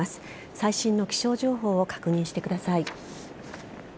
最新の気象情報を確認してください。